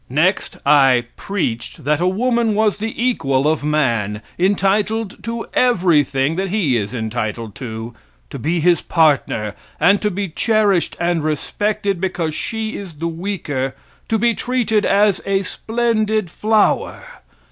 "Next, I 'preached' that a woman was the equal of man, entitled to everything that he is entitled to, to be his partner, and to be cherished and respected because she is the weaker, to be treated as a splendid flower.